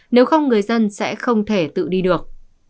nếu không người dân sẽ không thể tự đi được